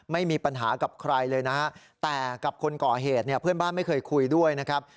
ไม่มีปัญหากับใครเลยนะฮะแต่กับคนก่อเหตุเนี่ยเพื่อนบ้านไม่เคยคุยด้วยนะครับ